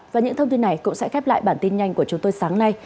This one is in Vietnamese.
và những thông tin này cũng sẽ khép lại bản tin nhanh của chúng tôi sáng nay